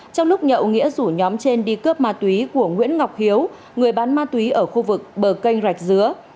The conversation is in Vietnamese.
trong lúc nhậu nghĩa rủ nhóm trên đi cướp ma túy của nguyễn ngọc hiếu người bán ma túy ở khu vực bờ kênh rạch dứa